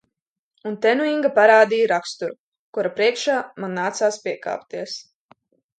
Un te nu Inga parādīja raksturu, kura priekšā man nācās piekāpties.